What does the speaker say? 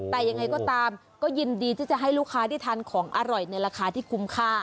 แต่ยังไงก็ตามก็ยินดีที่จะให้ลูกค้าได้ทานของอร่อยในราคาที่คุ้มค่า